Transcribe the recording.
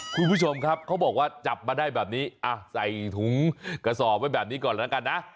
คุณผู้ชมเขาก็ว่าจับมาได้แบบนี้ใส่ถุงกระสอบไปแบบนี้ก่อนเลยนะ